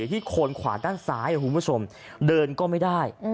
อยู่ที่คนขวาด้านซ้ายเดินก็ไม่ได้